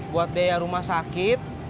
buat biaya rumah sakit